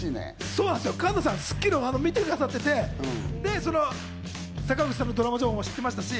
そうなんですよ、『スッキリ』を見てくださっていて、坂口さんのドラマ情報も知ってましたし。